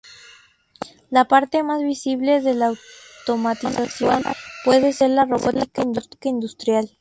La parte más visible de la automatización actual puede ser la robótica industrial.